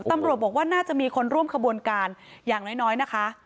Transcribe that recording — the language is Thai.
ตำรวจบอกว่าน่าจะมีคนร่วมขบวนการอย่างน้อยนะคะ